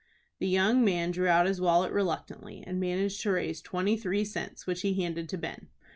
The young man drew out his wallet reluctantly, and managed to raise twenty three cents, which he handed to Ben.